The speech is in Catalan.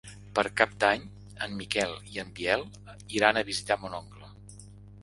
Per Cap d'Any en Miquel i en Biel iran a visitar mon oncle.